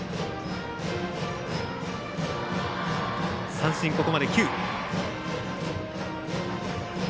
三振ここまで９。